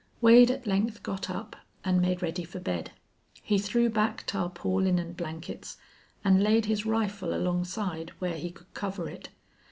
Wade at length got up and made ready for bed. He threw back tarpaulin and blankets, and laid his rifle alongside where he could cover it.